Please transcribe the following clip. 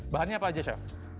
bahannya apa aja chef